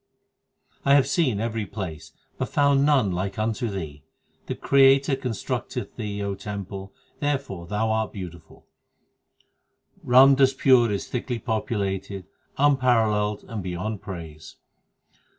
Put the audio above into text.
10 I have seen every place, but found none like unto thee ; l The Creator constructeth thee, O temple, therefore art thou beautiful. Ramdaspur is thickly populated, unparalleled, and beyond praise.